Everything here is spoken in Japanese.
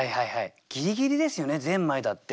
ギリギリですよね「発条」だって。